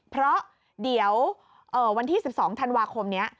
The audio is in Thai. เพราะเดี๋ยววันที่๑๒ธันวาคมนี้